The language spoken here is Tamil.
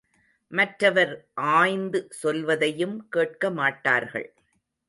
மற்றவர் ஆய்ந்து சொல்வதையும் கேட்க மாட்டார்கள்.